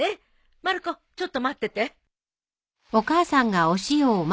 まる子ちょっと待ってて。